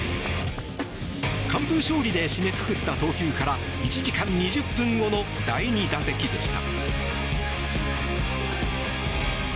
完封勝利で締めくくった投球から１時間２０分後の第２打席でした。